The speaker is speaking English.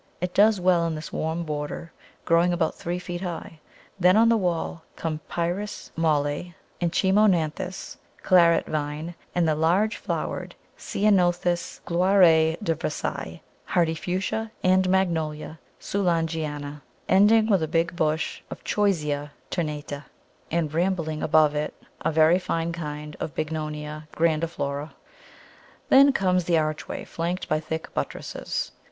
It does well in this warm border, growing about three feet high. Then on the wall come Pyrus Maulei and Chimonanthus, Claret Vine, and the large flowered Ceanothus Gloire de Versailles, hardy Fuchsia, and Magnolia Soulangeana, ending with a big bush of Choisya ternata, and rambling above it a very fine kind of Bignonia grandiflora. Then comes the archway, flanked by thick buttresses.